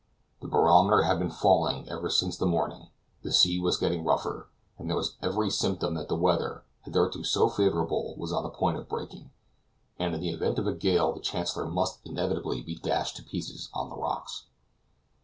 The barometer had been falling ever since the morning, the sea was getting rougher, and there was every symptom that the weather, hitherto so favorable, was on the point of breaking; and in the event of a gale the Chancellor must inevitably be dashed to pieces on the rocks.